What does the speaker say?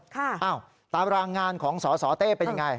อ้าวตามรางงานของสสเต้เป็นยังไง